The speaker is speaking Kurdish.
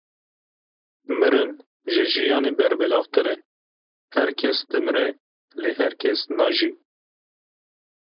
Mirin ji jiyanê berbelavtir e, her kes dimire, lê her kes najî.